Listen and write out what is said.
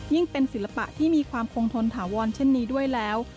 เป็นศิลปะที่มีความคงทนถาวรเช่นนี้ด้วยแล้ว